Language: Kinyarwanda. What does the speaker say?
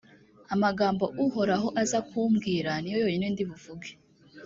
amagambo uhoraho aza kumbwira, ni yo yonyine ndi buvuge.»